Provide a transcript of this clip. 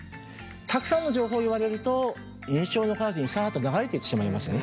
たくさんの情報を言われると印象に残らずにさっと流れていってしまいますね。